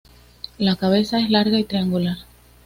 La cabeza es larga y triangular.